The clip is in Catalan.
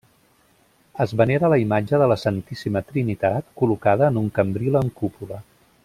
Es venera la imatge de la Santíssima Trinitat col·locada en un cambril amb cúpula.